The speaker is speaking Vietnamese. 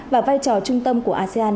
và vai trò trung tâm của asean